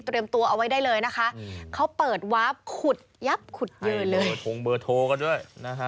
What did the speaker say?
เตรียมตัวเอาไว้ได้เลยนะคะเขาเปิดวาร์ปขุดเยอะเลย